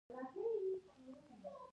د «معنای متن» کتاب تازه خپور شوی و.